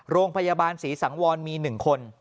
โรงพยาบาลศรีสังวรมี๑คน